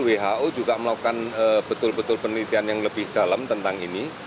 who juga melakukan betul betul penelitian yang lebih dalam tentang ini